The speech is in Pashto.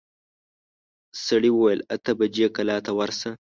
سړي وويل اته بجې کلا ته ورسه.